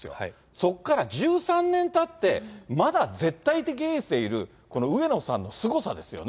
そこから１３年たって、まだ絶対的エースでいるこの上野さんのすごさですよね。